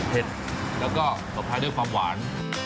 เผ็ดแล้วก็ตบท้ายด้วยความหวาน